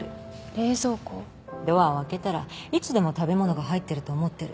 ドアを開けたらいつでも食べ物が入ってると思ってる。